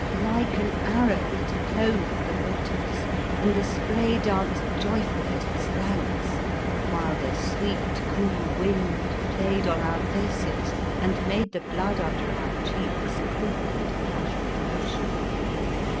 Like an arrow it clove the waters and the spray danced joyfully at it flanks, while the sweet, cool wind "5 The Fearsome Island played on our faces and made the blood under our cheeks quick and flush with motion.